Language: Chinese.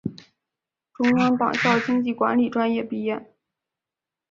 中央党校经济管理专业毕业。